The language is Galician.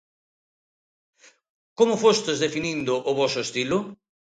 Como fostes definindo o voso estilo?